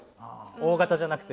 大型じゃなくて。